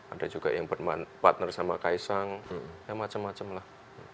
ada juga yang partner sama kaesang ya macem macem lah